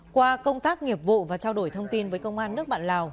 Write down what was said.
qua công tác nghiệp vụ và trao đổi thông tin với công an nước bạn lào